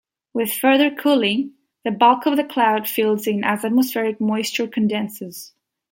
With further cooling, the bulk of the cloud fills in as atmospheric moisture condenses.